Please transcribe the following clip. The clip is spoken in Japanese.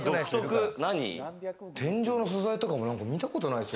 天井の素材とか見たことないですよ。